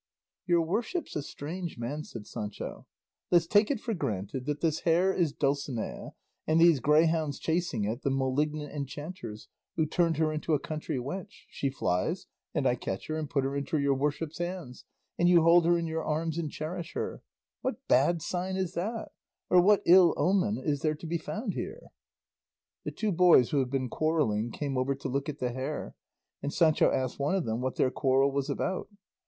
"Your worship's a strange man," said Sancho; "let's take it for granted that this hare is Dulcinea, and these greyhounds chasing it the malignant enchanters who turned her into a country wench; she flies, and I catch her and put her into your worship's hands, and you hold her in your arms and cherish her; what bad sign is that, or what ill omen is there to be found here?" The two boys who had been quarrelling came over to look at the hare, and Sancho asked one of them what their quarrel was about.